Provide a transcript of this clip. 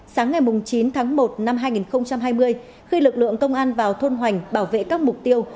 sáng ngày chín tháng một năm hai nghìn hai mươi khi lực lượng công an vào thôn hoành bảo vệ các mục tiêu